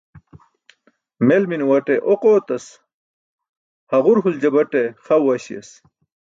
Mel minuwaṭe oq ootas, haġur huljabaṭe xa uwaśiyas.